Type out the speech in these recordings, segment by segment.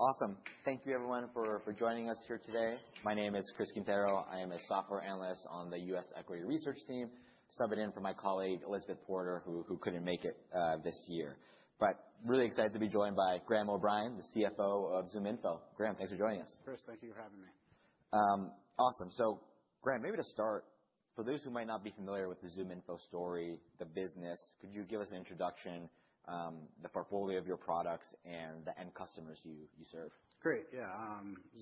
Awesome. Thank you, everyone, for joining us here today. My name is Chris Quintero. I am a software analyst on the US Equity Research Team. Subbing in for my colleague, Elizabeth Porter, who couldn't make it this year, but really excited to be joined by Graham O'Brien, the CFO of ZoomInfo. Graham, thanks for joining us. Chris, thank you for having me. Awesome. So, Graham, maybe to start, for those who might not be familiar with the ZoomInfo story, the business, could you give us an introduction, the portfolio of your products and the end customers you serve? Great. Yeah.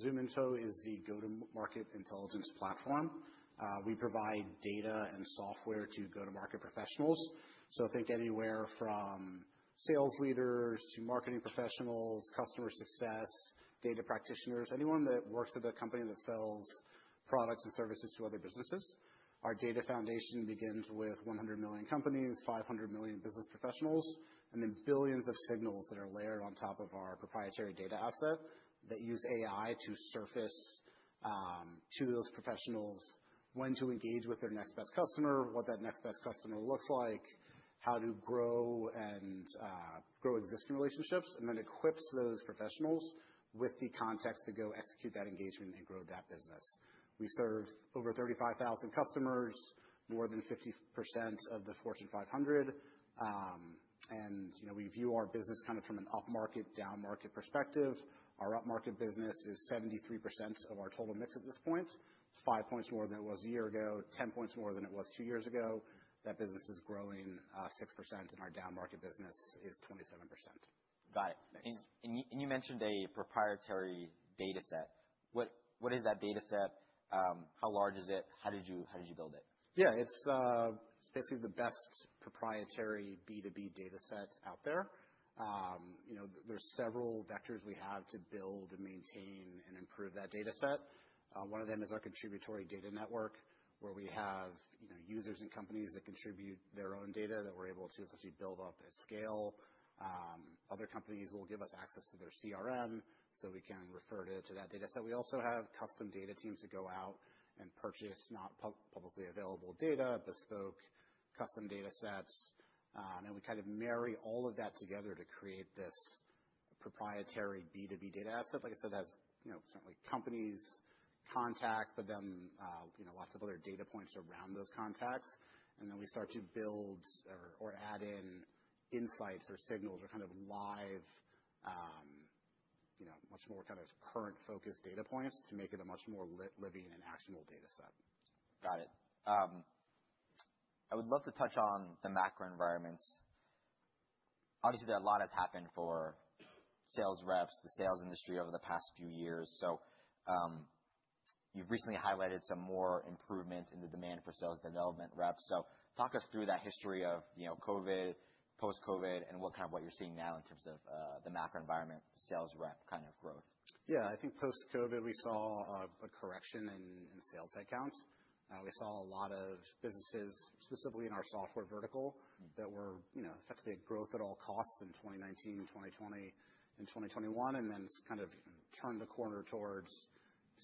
ZoomInfo is the Go-to-Market Intelligence Platform. We provide data and software to go-to-market professionals. So think anywhere from sales leaders to marketing professionals, customer success, data practitioners, anyone that works at a company that sells products and services to other businesses. Our data foundation begins with 100 million companies, 500 million business professionals, and then billions of signals that are layered on top of our proprietary data asset that use AI to surface to those professionals when to engage with their next best customer, what that next best customer looks like, how to grow and grow existing relationships, and then equips those professionals with the context to go execute that engagement and grow that business. We serve over 35,000 customers, more than 50% of the Fortune 500, and you know, we view our business kind of from an up-market, down-market perspective. Our up-market business is 73% of our total mix at this point, five points more than it was a year ago, 10 points more than it was two years ago. That business is growing, 6%, and our down-market business is 27%. Got it. Nice. You mentioned a proprietary data set. What is that data set? How large is it? How did you build it? Yeah. It's basically the best proprietary B2B data set out there. You know, there's several vectors we have to build and maintain and improve that data set. One of them is our contributory data network where we have, you know, users and companies that contribute their own data that we're able to essentially build up at scale. Other companies will give us access to their CRM so we can refer to that data set. We also have custom data teams that go out and purchase not publicly available data, bespoke custom data sets, and we kind of marry all of that together to create this proprietary B2B data asset. Like I said, it has, you know, certainly companies, contacts, but then, you know, lots of other data points around those contacts. Then we start to build or add in insights or signals or kind of live, you know, much more kind of current-focused data points to make it a much more living and actionable data set. Got it. I would love to touch on the macro environments. Obviously, a lot has happened for sales reps, the sales industry over the past few years. So, you've recently highlighted some more improvement in the demand for sales development reps. So talk us through that history of, you know, COVID, post-COVID, and what kind of you're seeing now in terms of, the macro environment, sales rep kind of growth. Yeah. I think post-COVID we saw a correction in sales headcount. We saw a lot of businesses, specifically in our software vertical. Mm-hmm. That were, you know, effectively at growth at all costs in 2019, 2020, and 2021, and then kind of turned the corner towards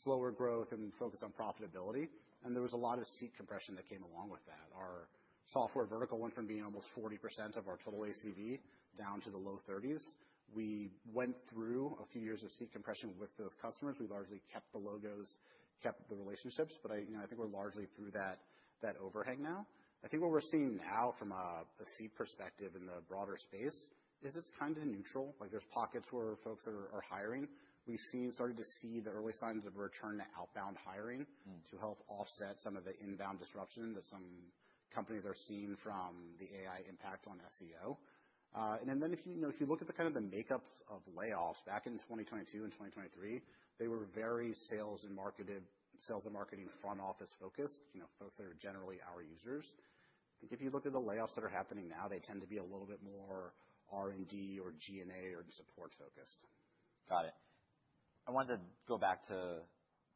slower growth and focus on profitability. There was a lot of seat compression that came along with that. Our software vertical went from being almost 40% of our total ACV down to the low 30s. We went through a few years of seat compression with those customers. We largely kept the logos, kept the relationships, but I, you know, I think we're largely through that overhang now. I think what we're seeing now from a seat perspective in the broader space is it's kind of neutral. Like, there's pockets where folks are hiring. We've started to see the early signs of a return to outbound hiring. Mm-hmm. To help offset some of the inbound disruption that some companies are seeing from the AI impact on SEO. And then if you, you know, if you look at the kind of the makeup of layoffs back in 2022 and 2023, they were very sales and marketing front office focused, you know, folks that are generally our users. I think if you look at the layoffs that are happening now, they tend to be a little bit more R&D or G&A or support focused. Got it. I wanted to go back to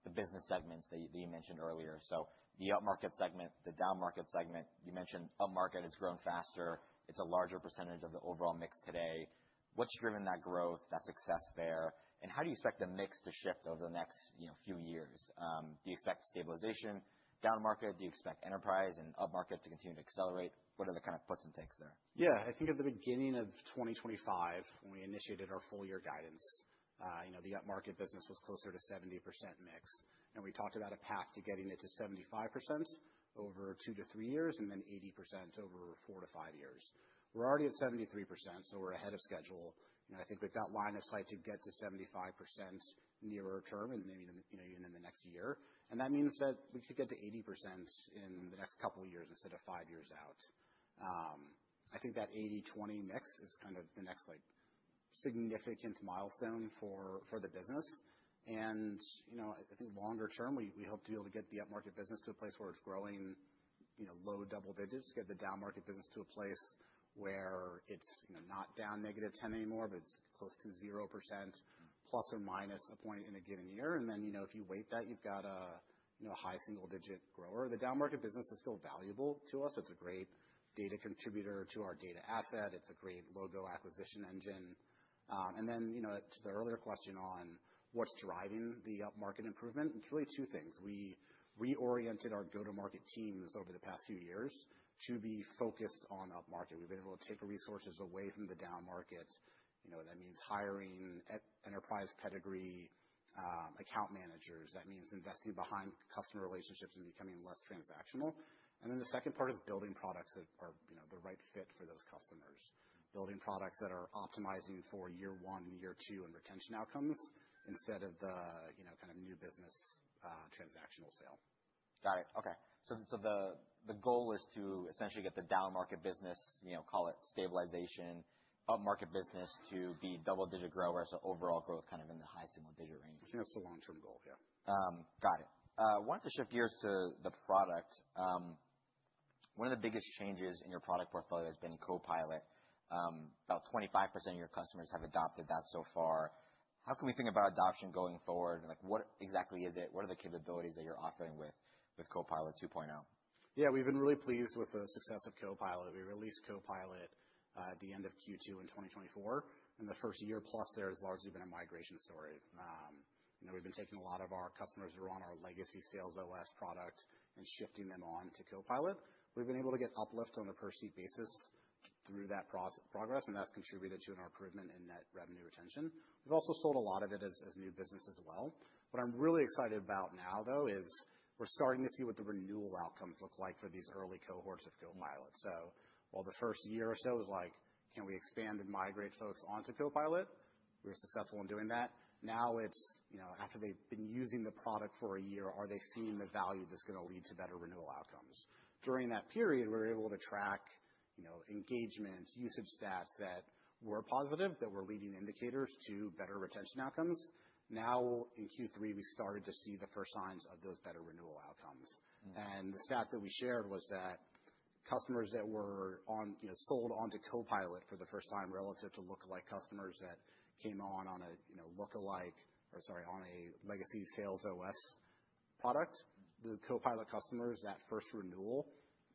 the business segments that you mentioned earlier. So the up-market segment, the down-market segment, you mentioned up-market has grown faster. It's a larger percentage of the overall mix today. What's driven that growth, that success there? And how do you expect the mix to shift over the next, you know, few years? Do you expect stabilization, down-market? Do you expect enterprise and up-market to continue to accelerate? What are the kind of puts and takes there? Yeah. I think at the beginning of 2025, when we initiated our full-year guidance, you know, the up-market business was closer to 70% mix. And we talked about a path to getting it to 75% over 2 to 3 years and then 80% over 4 to 5 years. We're already at 73%, so we're ahead of schedule. You know, I think we've got line of sight to get to 75% nearer term, and maybe in the, you know, even in the next year. And that means that we could get to 80% in the next couple of years instead of 5 years out. I think that 80/20 mix is kind of the next, like, significant milestone for the business. You know, I think longer term, we hope to be able to get the up-market business to a place where it's growing, you know, low double digits, get the down-market business to a place where it's, you know, not down negative 10% anymore, but it's close to 0%. Mm-hmm. Plus or minus a point in a given year. And then, you know, if you weight that, you've got a, you know, a high single-digit grower. The down-market business is still valuable to us. It's a great data contributor to our data asset. It's a great logo acquisition engine. And then, you know, to the earlier question on what's driving the up-market improvement, it's really two things. We reoriented our go-to-market teams over the past few years to be focused on up-market. We've been able to take resources away from the down-market. You know, that means hiring enterprise pedigree, account managers. That means investing behind customer relationships and becoming less transactional. And then the second part is building products that are, you know, the right fit for those customers, building products that are optimizing for year one and year two and retention outcomes instead of the, you know, kind of new business, transactional sale. Got it. Okay. The goal is to essentially get the down-market business, you know, call it stabilization, up-market business to be double-digit growth, so overall growth kind of in the high single-digit range. I think that's the long-term goal. Yeah. Got it. Wanted to shift gears to the product. One of the biggest changes in your product portfolio has been Copilot. About 25% of your customers have adopted that so far. How can we think about adoption going forward? Like, what exactly is it? What are the capabilities that you're offering with Copilot 2.0? Yeah. We've been really pleased with the success of Copilot. We released Copilot at the end of Q2 in 2024. And the first year plus there has largely been a migration story. You know, we've been taking a lot of our customers who were on our legacy Sales OS product and shifting them onto Copilot. We've been able to get uplift on a per-seat basis through that process, progress, and that's contributed to an improvement in net revenue retention. We've also sold a lot of it as new business as well. What I'm really excited about now, though, is we're starting to see what the renewal outcomes look like for these early cohorts of Copilot. So while the first year or so was like, "Can we expand and migrate folks onto Copilot?" We were successful in doing that. Now it's, you know, after they've been using the product for a year, are they seeing the value that's gonna lead to better renewal outcomes? During that period, we were able to track, you know, engagement, usage stats that were positive, that were leading indicators to better retention outcomes. Now in Q3, we started to see the first signs of those better renewal outcomes. Mm-hmm. And the stat that we shared was that customers that were on, you know, sold onto Copilot for the first time relative to lookalike customers that came on, on a, you know, lookalike or, sorry, on a legacy Sales OS product, the Copilot customers, that first renewal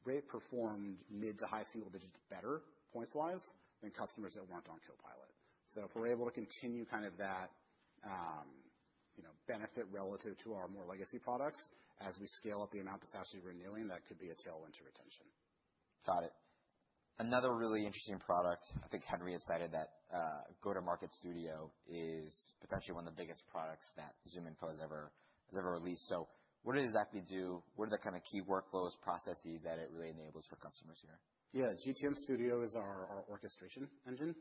rate performed mid- to high single-digit better points-wise than customers that weren't on Copilot. So if we're able to continue kind of that, you know, benefit relative to our more legacy products as we scale up the amount that's actually renewing, that could be a tailwind to retention. Got it. Another really interesting product, I think Henry has cited that, Go-to-Market Studio is potentially one of the biggest products that ZoomInfo has ever, has ever released. So what does it exactly do? What are the kind of key workflows, processes that it really enables for customers here? Yeah. GTM Studio is our, our orchestration engine.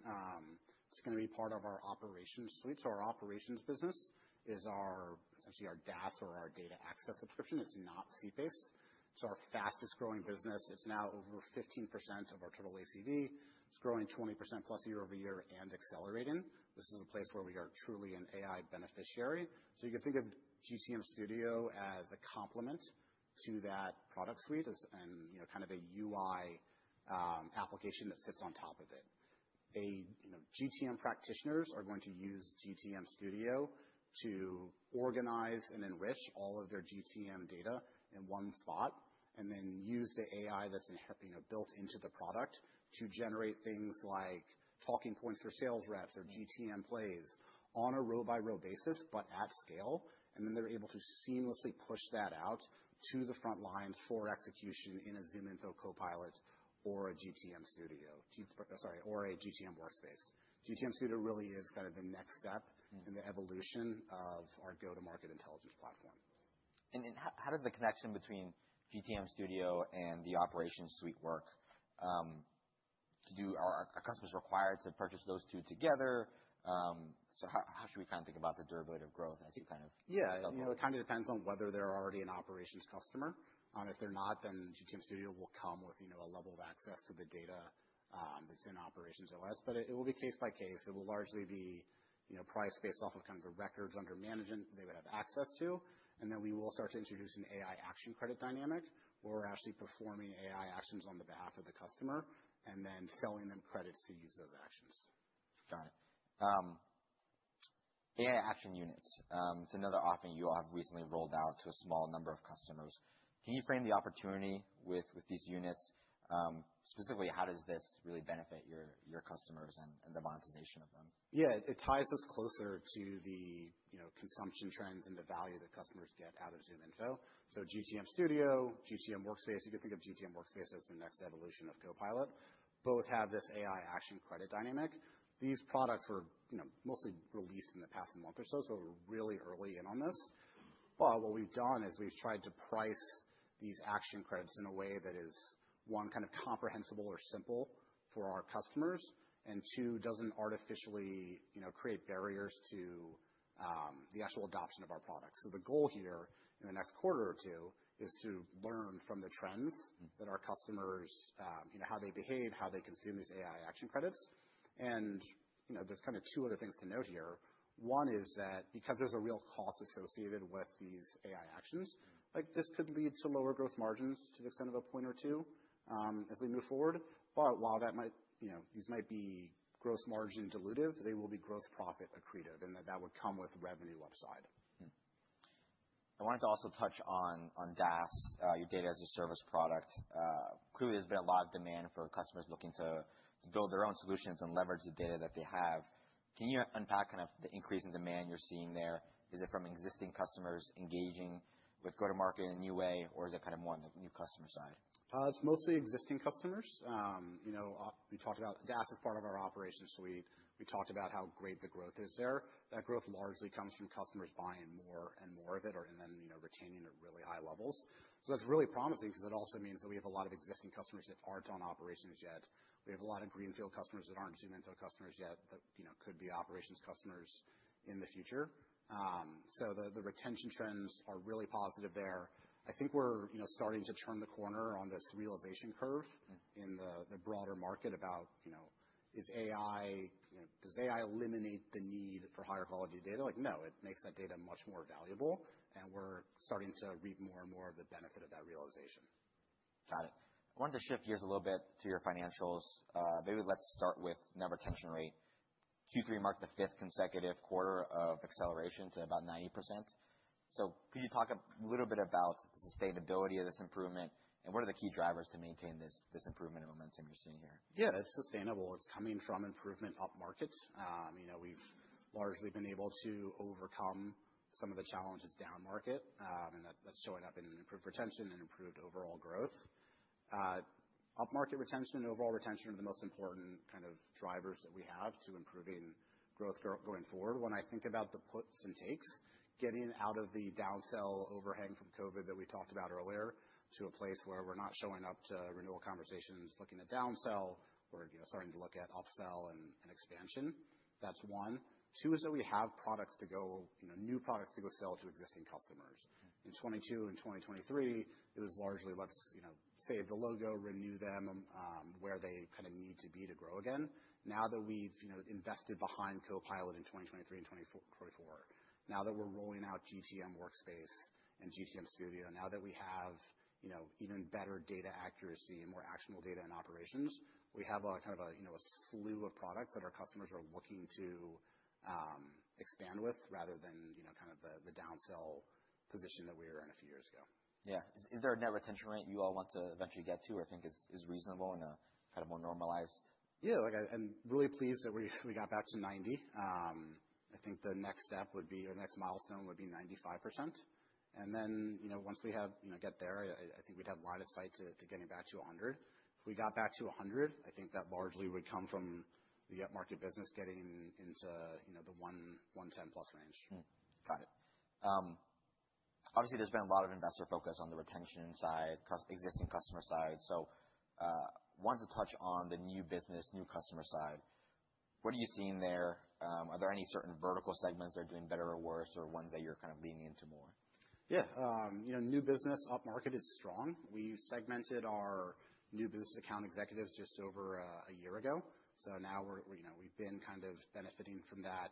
It's gonna be part of our operations suite. So our operations business is our, essentially, our DAS or our data access subscription. It's not seat-based. It's our fastest-growing business. It's now over 15% of our total ACV. It's growing 20% plus year over year and accelerating. This is a place where we are truly an AI beneficiary. So you can think of GTM Studio as a complement to that product suite as, and, you know, kind of a UI, application that sits on top of it. They, you know, GTM practitioners are going to use GTM Studio to organize and enrich all of their GTM data in one spot and then use the AI that's in, you know, built into the product to generate things like talking points for sales reps or GTM plays on a row-by-row basis, but at scale. Then they're able to seamlessly push that out to the front lines for execution in a ZoomInfo Copilot or a GTM Studio or a GTM Workspace. GTM Studio really is kind of the next step. Mm-hmm. In the evolution of our Go-to-Market Intelligence Platform. How does the connection between GTM Studio and the operations suite work? Do our customers require to purchase those two together? How should we kind of think about the durability of growth as you kind of? Yeah. You know, it kind of depends on whether they're already an operations customer. If they're not, then GTM Studio will come with, you know, a level of access to the data that's in OperationsOS. But it will be case by case. It will largely be, you know, priced based off of kind of the records under management that they would have access to. And then we will start to introduce an AI action credit dynamic where we're actually performing AI actions on behalf of the customer and then selling them credits to use those actions. Got it. AI action units. It's another offering you all have recently rolled out to a small number of customers. Can you frame the opportunity with these units? Specifically, how does this really benefit your customers and the monetization of them? Yeah. It ties us closer to the, you know, consumption trends and the value that customers get out of ZoomInfo. So GTM Studio, GTM Workspace, you can think of GTM Workspace as the next evolution of Copilot. Both have this AI action credit dynamic. These products were, you know, mostly released in the past month or so, so we're really early in on this. But what we've done is we've tried to price these action credits in a way that is, one, kind of comprehensible or simple for our customers, and two, doesn't artificially, you know, create barriers to the actual adoption of our products. So the goal here in the next quarter or two is to learn from the trends. Mm-hmm. That our customers, you know, how they behave, how they consume these AI action credits. And, you know, there's kind of two other things to note here. One is that because there's a real cost associated with these AI actions. Mm-hmm. Like, this could lead to lower gross margins to the extent of a point or two, as we move forward. But while that might, you know, these might be gross margin dilutive, they will be gross profit accretive, and that, that would come with revenue upside. I wanted to also touch on DaaS, your data as a service product. Clearly, there's been a lot of demand for customers looking to build their own solutions and leverage the data that they have. Can you unpack kind of the increase in demand you're seeing there? Is it from existing customers engaging with go-to-market in a new way, or is it kind of more on the new customer side? It's mostly existing customers. You know, we talked about DaaS as part of our operations suite. We talked about how great the growth is there. That growth largely comes from customers buying more and more of it, and then, you know, retaining at really high levels. So that's really promising 'cause it also means that we have a lot of existing customers that aren't on operations yet. We have a lot of greenfield customers that aren't ZoomInfo customers yet that, you know, could be operations customers in the future. So the retention trends are really positive there. I think we're, you know, starting to turn the corner on this realization curve. Mm-hmm. In the broader market, you know, is AI, you know, does AI eliminate the need for higher quality data? Like, no, it makes that data much more valuable, and we're starting to reap more and more of the benefit of that realization. Got it. I wanted to shift gears a little bit to your financials. Maybe let's start with net retention rate. Q3 marked the fifth consecutive quarter of acceleration to about 90%. So could you talk a little bit about the sustainability of this improvement, and what are the key drivers to maintain this, this improvement and momentum you're seeing here? Yeah. It's sustainable. It's coming from improvement up-market. You know, we've largely been able to overcome some of the challenges down-market, and that's, that's showing up in improved retention and improved overall growth. Up-market retention and overall retention are the most important kind of drivers that we have to improving growth going forward. When I think about the puts and takes, getting out of the downsell overhang from COVID that we talked about earlier to a place where we're not showing up to renewal conversations looking at downsell. We're, you know, starting to look at upsell and, and expansion. That's one. Two is that we have products to go, you know, new products to go sell to existing customers. Mm-hmm. In 2022 and 2023, it was largely, "Let's, you know, save the logo, renew them, where they kind of need to be to grow again." Now that we've, you know, invested behind Copilot in 2023 and 2024, now that we're rolling out GTM Workspace and GTM Studio, now that we have, you know, even better data accuracy and more actionable data in operations, we have a kind of a, you know, a slew of products that our customers are looking to, expand with rather than, you know, kind of the, the downsell position that we were in a few years ago. Yeah. Is there a net retention rate you all want to eventually get to or think is reasonable in a kind of more normalized? Yeah. Like, I'm really pleased that we, we got back to 90%. I think the next step would be, or the next milestone would be 95%. And then, you know, once we have, you know, get there, I, I think we'd have a lot of sight to, to getting back to 100%. If we got back to 100%, I think that largely would come from the up-market business getting into, you know, the 110-plus range. Got it. Obviously, there's been a lot of investor focus on the retention side, existing customer side. So, wanted to touch on the new business, new customer side. What are you seeing there? Are there any certain vertical segments they're doing better or worse or ones that you're kind of leaning into more? Yeah. You know, new business up-market is strong. We segmented our new business account executives just over a year ago. So now we're, you know, we've been kind of benefiting from that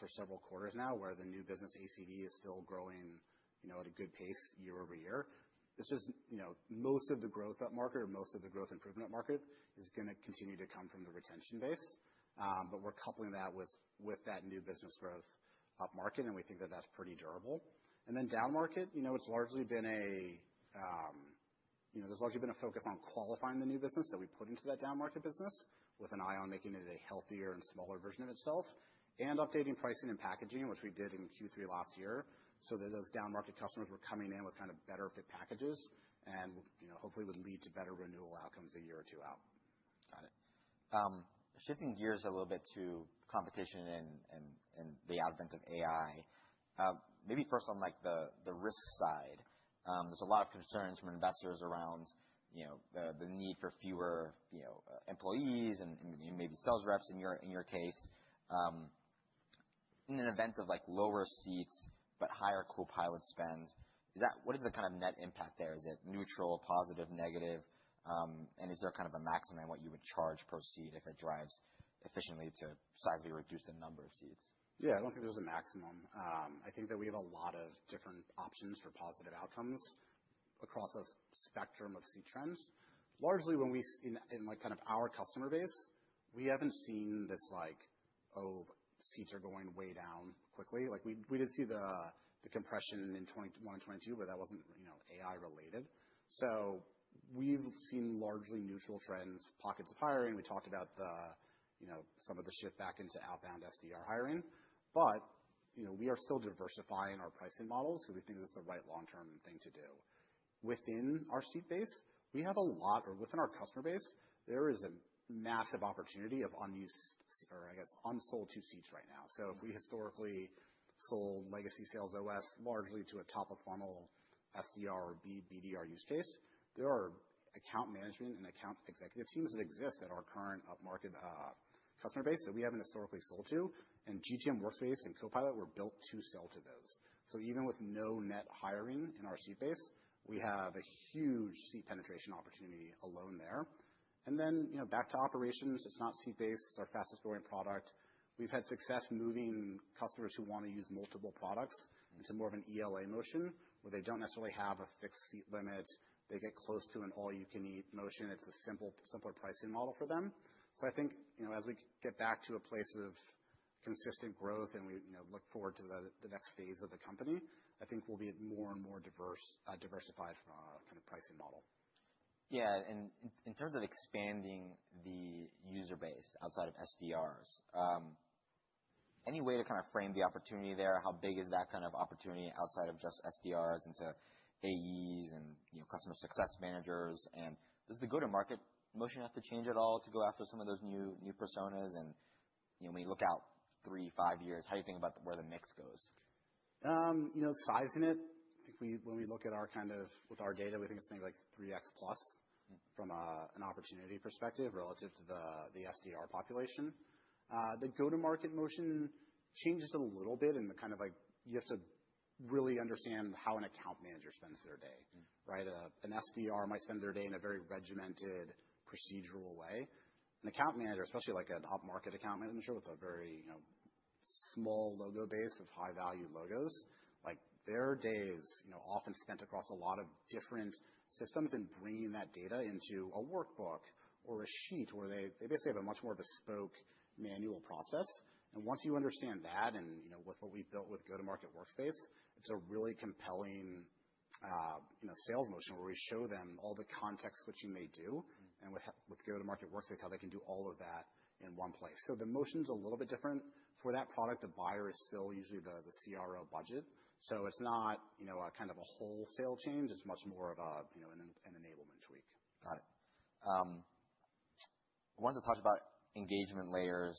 for several quarters now where the new business ACV is still growing, you know, at a good pace year over year. It's just, you know, most of the growth up-market or most of the growth improvement up-market is gonna continue to come from the retention base, but we're coupling that with that new business growth up-market, and we think that that's pretty durable. Then down-market, you know, there's largely been a focus on qualifying the new business that we put into that down-market business with an eye on making it a healthier and smaller version of itself and updating pricing and packaging, which we did in Q3 last year, so that those down-market customers were coming in with kind of better-fit packages. You know, hopefully would lead to better renewal outcomes a year or two out. Got it. Shifting gears a little bit to competition and the advent of AI, maybe first on, like, the risk side. There's a lot of concerns from investors around, you know, the need for fewer, you know, employees and maybe sales reps in your case. In an event of, like, lower seats but higher Copilot spend, is that what is the kind of net impact there? Is it neutral, positive, negative? And is there kind of a maximum what you would charge per seat if it drives efficiently to sizably reduce the number of seats? Yeah. I don't think there's a maximum. I think that we have a lot of different options for positive outcomes across a spectrum of seat trends. Largely, when we in like kind of our customer base, we haven't seen this, like, "Oh, seats are going way down quickly." Like, we did see the compression in 2021 and 2022, but that wasn't, you know, AI-related. So we've seen largely neutral trends, pockets of hiring. We talked about the, you know, some of the shift back into outbound SDR hiring. But, you know, we are still diversifying our pricing models 'cause we think that's the right long-term thing to do. Within our seat base, we have a lot, or within our customer base, there is a massive opportunity of unused or, I guess, unsold, too, seats right now. So if we historically sold legacy Sales OS largely to a top-of-funnel SDR or BDR use case, there are account management and account executive teams that exist at our current up-market customer base that we haven't historically sold to. And GTM Workspace and Copilot were built to sell to those. So even with no net hiring in our seat base, we have a huge seat penetration opportunity alone there. And then, you know, back to operations, it is not seat-based. It is our fastest-growing product. We have had success moving customers who wanna use multiple products into more of an ELA motion where they do not necessarily have a fixed seat limit. They get close to an all-you-can-eat motion. It is a simple, simpler pricing model for them. So I think, you know, as we get back to a place of consistent growth and we, you know, look forward to the next phase of the company, I think we'll be more and more diverse, diversified from a kind of pricing model. Yeah. And in terms of expanding the user base outside of SDRs, any way to kind of frame the opportunity there? How big is that kind of opportunity outside of just SDRs into AEs and, you know, customer success managers? And does the go-to-market motion have to change at all to go after some of those new personas? And, you know, when you look out three, five years, how do you think about where the mix goes? You know, sizing it, I think when we look at our kind of with our data, we think it's maybe like 3X plus. Mm-hmm. From an opportunity perspective relative to the SDR population. The go-to-market motion changes a little bit in the kind of, like, you have to really understand how an account manager spends their day. Mm-hmm. Right? An SDR might spend their day in a very regimented, procedural way. An account manager, especially like an up-market account manager, with a very, you know, small logo base of high-value logos, like, their day is, you know, often spent across a lot of different systems and bringing that data into a workbook or a sheet where they basically have a much more bespoke manual process, and once you understand that and, you know, with what we've built with Go-to-Market Workspace, it's a really compelling, you know, sales motion where we show them all the context switching they do. Mm-hmm. And with Go-to-Market Workspace, how they can do all of that in one place. So the motion's a little bit different. For that product, the buyer is still usually the CRO budget. So it's not, you know, a kind of a wholesale change. It's much more of a, you know, an enablement tweak. Got it. I wanted to talk about engagement layers.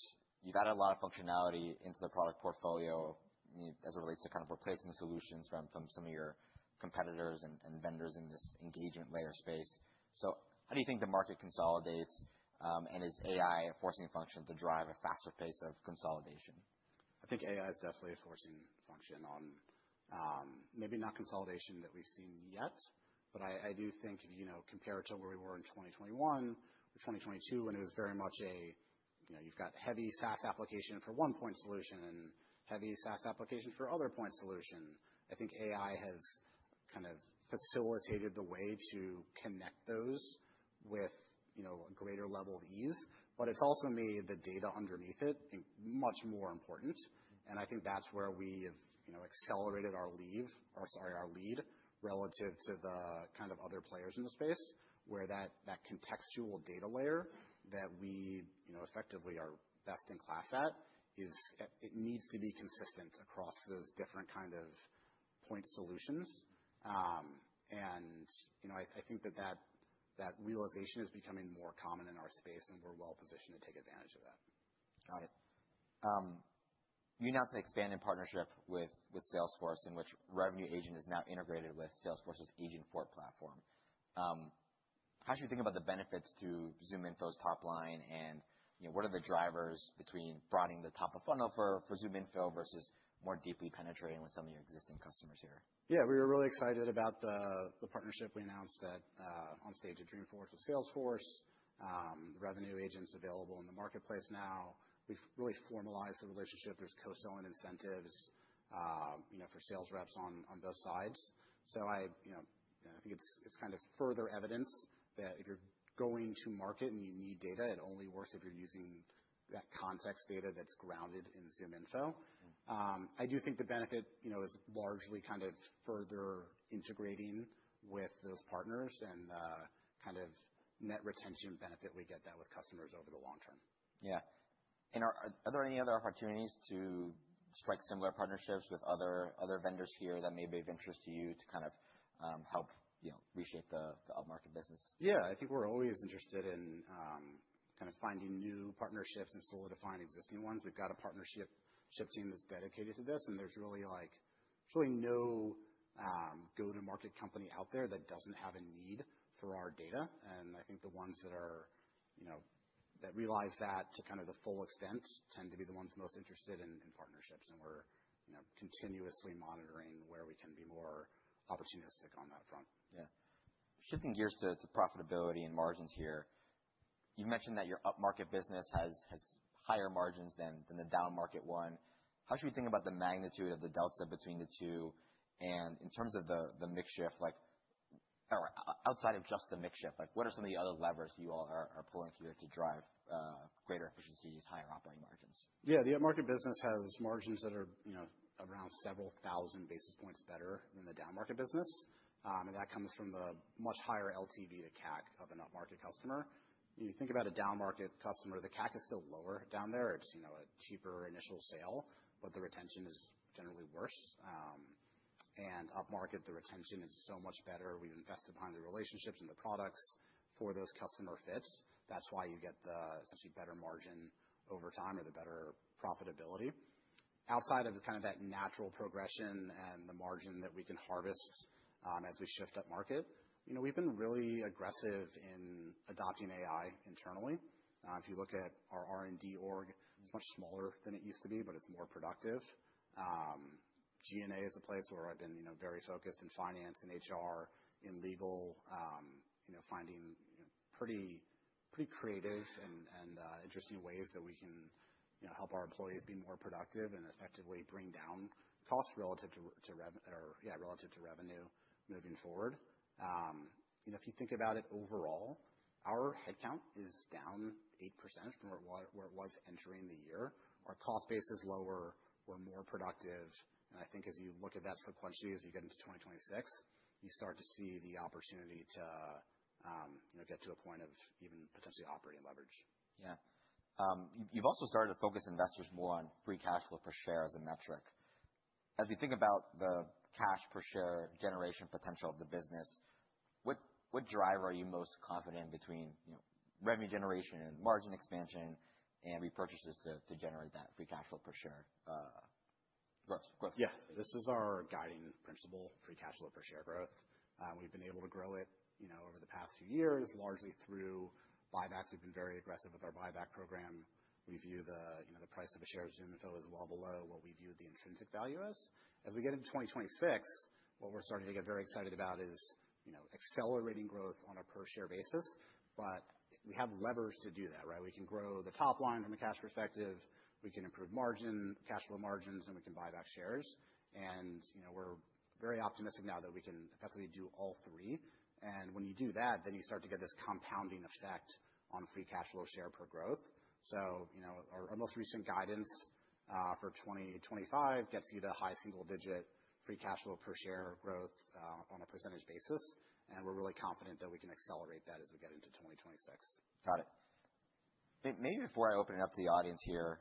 You've added a lot of functionality into the product portfolio, I mean, as it relates to kind of replacing solutions from some of your competitors and vendors in this engagement layer space. So how do you think the market consolidates, and is AI a forcing function to drive a faster pace of consolidation? I think AI is definitely a forcing function on maybe not consolidation that we've seen yet, but I, I do think, you know, compared to where we were in 2021 or 2022, when it was very much a, you know, you've got heavy SaaS application for one point solution and heavy SaaS application for other point solution. I think AI has kind of facilitated the way to connect those with, you know, a greater level of ease. But it's also made the data underneath it, I think, much more important. And I think that's where we have, you know, accelerated our leave or, sorry, our lead relative to the kind of other players in the space where that, that contextual data layer that we, you know, effectively are best in class at is, it needs to be consistent across those different kind of point solutions. You know, I think that realization is becoming more common in our space, and we're well-positioned to take advantage of that. Got it. You announced an expanded partnership with Salesforce in which Revenue Agent is now integrated with Salesforce's Agentforce platform. How should we think about the benefits to ZoomInfo's top line and, you know, what are the drivers between broadening the top-of-funnel for ZoomInfo versus more deeply penetrating with some of your existing customers here? Yeah. We were really excited about the partnership we announced on stage at Dreamforce with Salesforce. Revenue Agent's available in the marketplace now. We've really formalized the relationship. There's co-selling incentives, you know, for sales reps on both sides. So I, you know, you know, I think it's kind of further evidence that if you're going to market and you need data, it only works if you're using that context data that's grounded in ZoomInfo. Mm-hmm. I do think the benefit, you know, is largely kind of further integrating with those partners and the kind of net retention benefit we get that with customers over the long term. Yeah. And are there any other opportunities to strike similar partnerships with other vendors here that may be of interest to you to kind of help, you know, reshape the up-market business? Yeah. I think we're always interested in kind of finding new partnerships and solidifying existing ones. We've got a partnership team that's dedicated to this, and there's really, like, there's really no go-to-market company out there that doesn't have a need for our data. And I think the ones that are, you know, that realize that to kind of the full extent tend to be the ones most interested in partnerships. And we're, you know, continuously monitoring where we can be more opportunistic on that front. Yeah. Shifting gears to profitability and margins here, you've mentioned that your up-market business has higher margins than the down-market one. How should we think about the magnitude of the delta between the two? And in terms of the mix shift, like, or outside of just the mix shift, like, what are some of the other levers you all are pulling here to drive greater efficiencies, higher operating margins? Yeah. The up-market business has margins that are, you know, around several thousand basis points better than the down-market business, and that comes from the much higher LTV to CAC of an up-market customer. You think about a down-market customer, the CAC is still lower down there. It's, you know, a cheaper initial sale, but the retention is generally worse, and up-market, the retention is so much better. We've invested behind the relationships and the products for those customer fits. That's why you get the essentially better margin over time or the better profitability. Outside of kind of that natural progression and the margin that we can harvest, as we shift up-market, you know, we've been really aggressive in adopting AI internally. If you look at our R&D org, it's much smaller than it used to be, but it's more productive. G&A is a place where I've been, you know, very focused in finance, in HR, in legal, you know, finding, you know, pretty, pretty creative and interesting ways that we can, you know, help our employees be more productive and effectively bring down costs relative to revenue moving forward. You know, if you think about it overall, our headcount is down 8% from where it was entering the year. Our cost base is lower. We're more productive. And I think as you look at that sequentially, as you get into 2026, you start to see the opportunity to, you know, get to a point of even potentially operating leverage. Yeah. You've also started to focus investors more on free cash flow per share as a metric. As we think about the cash per share generation potential of the business, what driver are you most confident in between, you know, revenue generation and margin expansion and repurchases to generate that free cash flow per share growth? Yeah. This is our guiding principle, free cash flow per share growth. We've been able to grow it, you know, over the past few years largely through buybacks. We've been very aggressive with our buyback program. We view the, you know, the price of a share of ZoomInfo is well below what we view the intrinsic value as. As we get into 2026, what we're starting to get very excited about is, you know, accelerating growth on a per-share basis. But we have levers to do that, right? We can grow the top line from a cash perspective. We can improve margin, cash flow margins, and we can buy back shares. And, you know, we're very optimistic now that we can effectively do all three. And when you do that, then you start to get this compounding effect on free cash flow share per growth. So, you know, our most recent guidance for 2025 gets you to high single-digit free cash flow per share growth on a percentage basis. And we're really confident that we can accelerate that as we get into 2026. Got it. Maybe before I open it up to the audience here,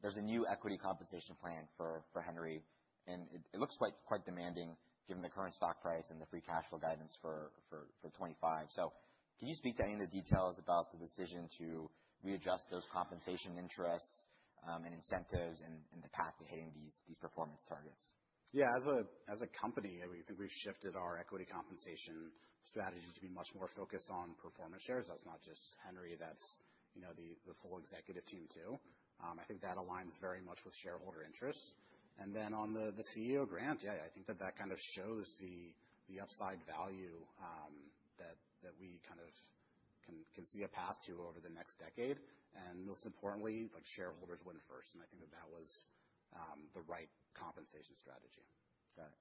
there's a new equity compensation plan for Henry, and it looks quite demanding given the current stock price and the free cash flow guidance for 2025. So can you speak to any of the details about the decision to readjust those compensation interests, and incentives, and the path to hitting these performance targets? Yeah. As a company, I mean, I think we've shifted our equity compensation strategy to be much more focused on performance shares. That's not just Henry. That's, you know, the full executive team too. I think that aligns very much with shareholder interests. And then on the CEO grant, yeah, I think that kind of shows the upside value, that we kind of can see a path to over the next decade. And most importantly, like, shareholders win first. And I think that was the right compensation strategy. Got it.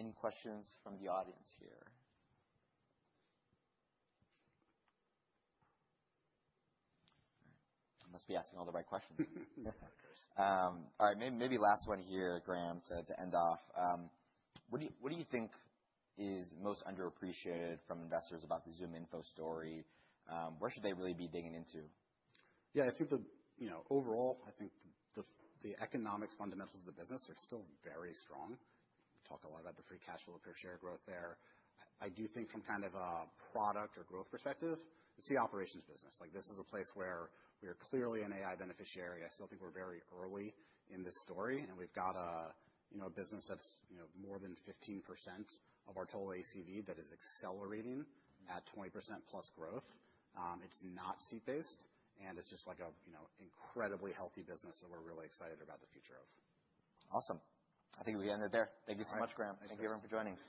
Any questions from the audience here? All right. I must be asking all the right questions. All right. Maybe last one here, Graham, to end off. What do you think is most underappreciated from investors about the ZoomInfo story? Where should they really be digging into? Yeah. I think the, you know, overall, I think the economic fundamentals of the business are still very strong. We talk a lot about the free cash flow per share growth there. I do think from kind of a product or growth perspective, it's the operations business. Like, this is a place where we are clearly an AI beneficiary. I still think we're very early in this story, and we've got a, you know, a business that's, you know, more than 15% of our total ACV that is accelerating at 20% plus growth. It's not seat-based, and it's just like a, you know, incredibly healthy business that we're really excited about the future of. Awesome. I think we end it there. Thank you so much, Graham. Thank you. Thank you, everyone, for joining us.